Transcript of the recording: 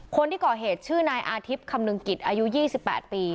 คนที่ก่อเหตุชื่อนายอาทิตย์คำนึงกิจอายุ๒๘ปี